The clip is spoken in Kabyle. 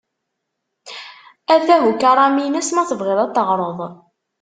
Atah ukaram-ines ma tebɣiḍ a t-teɣreḍ.